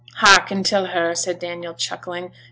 'Hearken till her,' said Daniel, chuckling.